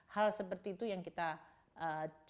hal seperti itu yang kita coba terus perhatikan